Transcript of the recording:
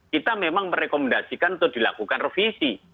kita memang merekomendasikan untuk dilakukan revisi